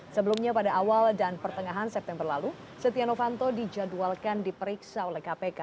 sebelumnya pada awal dan pertengahan september lalu setia novanto dijadwalkan diperiksa oleh kpk